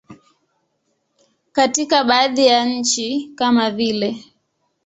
Katika baadhi ya nchi kama vile.